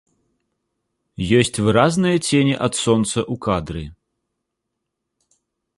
Ёсць выразныя цені ад сонца ў кадры.